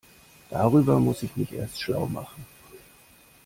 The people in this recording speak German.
Darüber muss ich mich erst schlau machen.